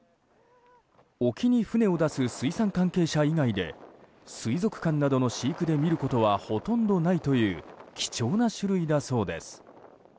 沖に船を出す水産関係者以外で水族館などの飼育で見ることはほとんどないという貴重な種類だそうです。